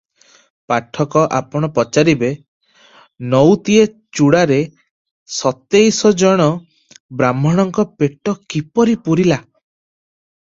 ପାଠକ ଆପଣ ପଚାରିବେ, ନଉତିଏ ଚୂଡ଼ାରେ ସତେଇଶ ଜଣ ବାହ୍ମଣଙ୍କର ପେଟ କିପରି ପୂରିଲା?